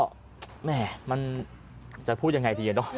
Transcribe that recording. ก็แหม่มันจะพูดอย่างไรเย็นด้วย